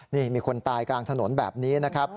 นี่มีคนตายกลางถนนแบบนี้นะครับ